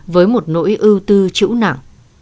với một nỗi ưu tư chịu nặng